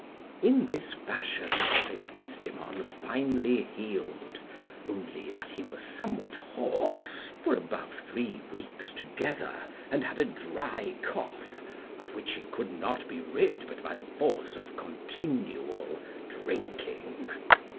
In this fashion was Epistemon finely healed, only that he was somewhat hoarse for above three weeks together, and had a dry cough of which he could not be rid but by the force of continual drinking.